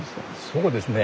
そうですね。